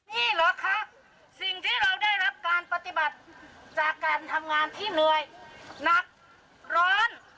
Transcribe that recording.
นี่เหรอคะสิ่งที่เราได้รับการปฏิบัติจากการทำงานที่เหนื่อยหนักร้อน